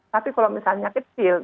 tapi kalau misalnya kecil